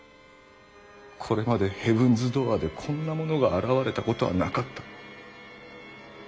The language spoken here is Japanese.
これまでヘブンズ・ドアーでこんなものが現れたことはなかった。